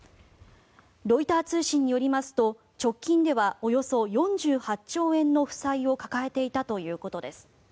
ロイター通信によりますと直近ではおよそ４８兆円の負債を抱えていたということです。